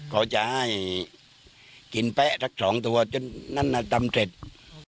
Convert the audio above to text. เขาจะให้กินแป๊ะสักสองตัวจนนั่นน่ะตำเสร็จ